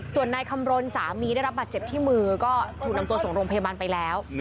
ส่วนนายคำรณสามีได้รับบาดเจ็บที่มือก็ถูกนำตัวส่งโรงพยาบาลไปแล้ว